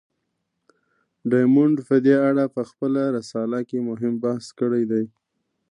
ډایمونډ په دې اړه په خپله رساله کې مهم بحث کړی دی.